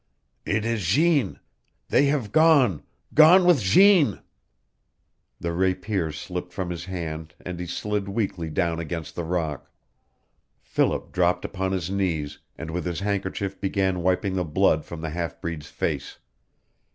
"It is Jeanne! They have gone gone with Jeanne!" The rapier slipped from his hand and he slid weakly down against the rock. Philip dropped upon his knees, and with his handkerchief began wiping the blood from the half breed's face.